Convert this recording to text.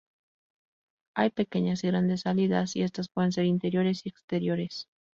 Hay pequeñas y grandes salidas, y estas pueden ser interiores y exteriores.